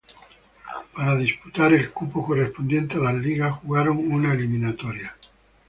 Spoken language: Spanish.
Para disputar el cupo correspondiente a las ligas jugaron una eliminatoria.